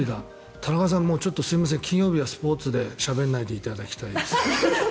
田中さんすみません金曜日はスポーツでしゃべらないでいただきたいです。